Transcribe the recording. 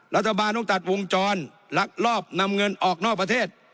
รัฐบาลต้องตัดวงจรลักลอบนำเงินออกนอกประเทศ